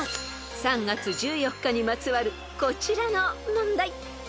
［３月１４日にまつわるこちらの問題］